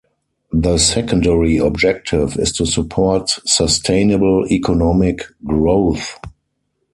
The secondary objective is to support sustainable economic growth.